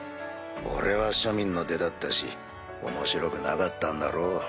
俺は庶民の出だったし面白くなかったんだろう。